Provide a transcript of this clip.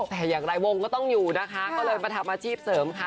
แต่อย่างไรวงก็ต้องอยู่นะคะก็เลยมาทำอาชีพเสริมค่ะ